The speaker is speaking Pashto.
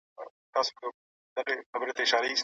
انټرنیټ د خلکو ترمنځ د معلوماتو شریکول اسانه کوي.